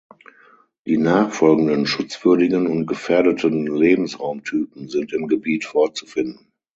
Die nachfolgenden schutzwürdigen und gefährdeten Lebensraumtypen sind im Gebiet vorzufinden.